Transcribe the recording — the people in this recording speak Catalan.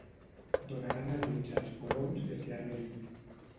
Donaran ajuts als colons que s'hi arrelin.